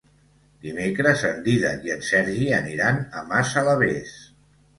Dimecres en Dídac i en Sergi aniran a Massalavés.